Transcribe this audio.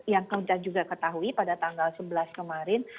yang kami juga ketahui pada tanggal sebelas kemarin